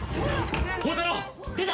宝太郎出た！